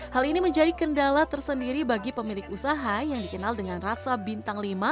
hal ini menjadi kendala tersendiri bagi pemilik usaha yang dikenal dengan rasa bintang lima